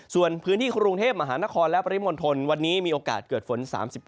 ส่วนพื้นที่กรุงเทพมหานครและปริมณฑลวันนี้มีโอกาสเกิดฝน๓๗